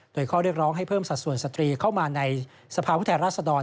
โดยเขาเรียกร้องให้เพิ่มสัดส่วนสตรีเข้ามาในสภาพแพทย์รัฐศดร